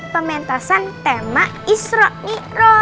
pementasan tema isra'i roj